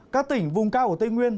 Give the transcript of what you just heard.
các tỉnh vùng cao của tây nguyên